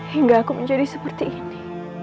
hingga aku menjadi seperti ini